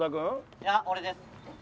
いや俺です。